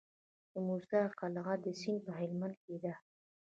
د موسی قلعه سیند په هلمند کې دی